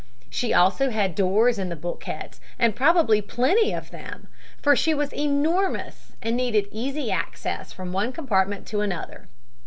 She also had doors in the bulkheads, and probably plenty of them, for she was enormous and needed easy access from one compartment to another.